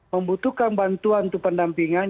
membutuhkan bantuan untuk pendampingan